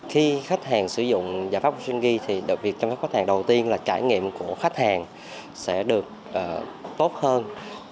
khi khách hàng sử dụng giảm pháp stringyx việc chăm sóc khách hàng đầu tiên là trải nghiệm của khách hàng sẽ được tốt hơn